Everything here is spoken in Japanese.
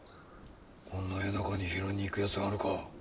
こんな夜中に拾いに行くやつがあるか。